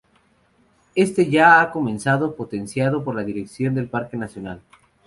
Este ya ha comenzado potenciado por la dirección del parque nacional.